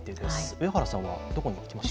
上原さんはどこに行きました？